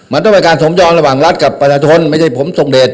มันต้องเป็นการสมยอมระหว่างรัฐกับประชาชนไม่ใช่ผมทรงเดช